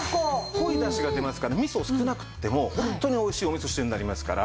濃いだしが出ますからみそ少なくてもホントにおいしいおみそ汁になりますから。